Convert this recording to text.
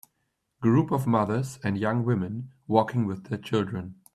Group of mothers and young women walking with their children.